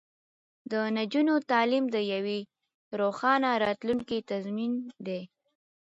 د نجونو تعلیم د یوې روښانه راتلونکې تضمین دی.